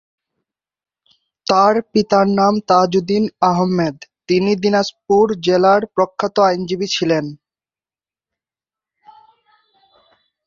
তার পিতার নাম তাজউদ্দিন আহমেদ; তিনি দিনাজপুর জেলার প্রখ্যাত আইনজীবী ছিলেন।